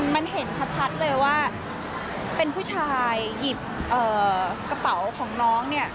มันเห็นชัดเลยว่าเป็นผู้ชายหยิบกระเป๋าของน้องเนี่ย